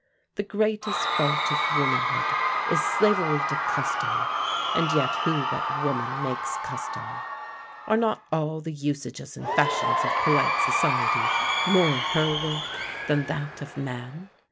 The greatest fault of womanhood is slavery to custom; and yet who but woman makes custom? Are not all the usages and fashions of polite society more her work than that of man?